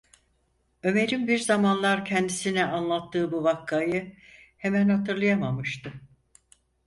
Ömer’in bir zamanlar kendisine anlattığı bu vakayı hemen hatırlayamamıştı.